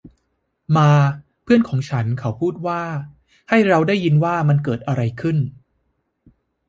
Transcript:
มา เพื่อนของฉัน เขาพูดว่า ’’ให้เราได้ยินว่ามันเกิดอะไรขึ้น ! ’’